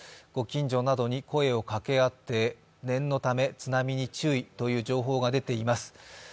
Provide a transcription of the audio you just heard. ご近所などに声をかけ合って、念のため津波に注意という情報が出ています。